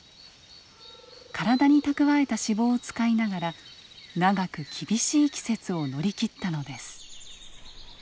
体に蓄えた脂肪を使いながら長く厳しい季節を乗り切ったのです。